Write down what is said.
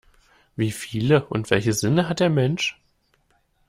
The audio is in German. Wie viele und welche Sinne hat der Mensch?